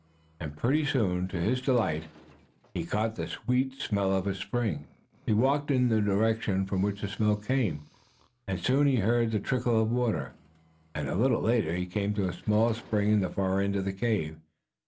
And pretty soon, to his delight, he caught the sweet smell of a spring. He walked in the direction from which the smell came, and soon he heard the trickle of water. And, a little later, he came to a small spring in the far end of the cave.